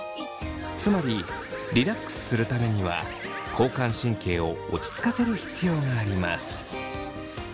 つまりリラックスするためには交感神経を落ち着かせる必要があります。